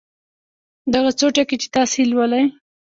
دغه څو ټکي چې تاسې یې لولئ.